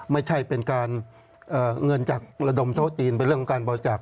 ไม่ใช่เป็นการเงินจากระดมโต๊ะจีนเป็นเรื่องของการบริจาค